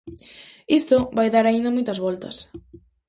Isto vai dar aínda moitas voltas.